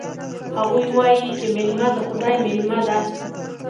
هغوی وایي چې میلمه د خدای مېلمه ده